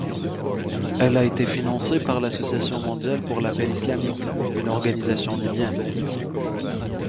Elle a été financée par l’Association mondiale pour l’appel islamique, une organisation libyenne.